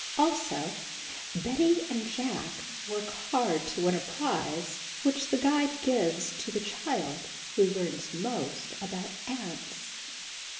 Also, Betty and Jack work hard to win a prize which the guide gives to the child who learns most about ants.